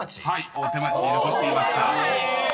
［「大手町」残っていました］